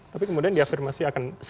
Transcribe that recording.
tapi kemudian diafirmasi akan